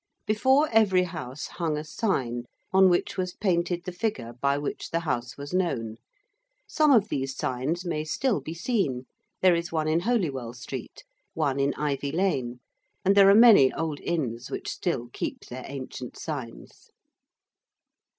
Before every house hung a sign, on which was painted the figure by which the house was known: some of these signs may still be seen: there is one in Holywell Street: one in Ivy Lane: and there are many old Inns which still keep their ancient signs.